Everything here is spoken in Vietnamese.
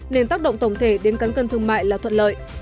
nên tác động tổng thể đến cán cân thương mại là thuận lợi